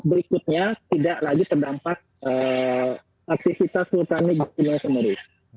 berikutnya tidak lagi terdampak aktivitas vulkanik di gunung semeru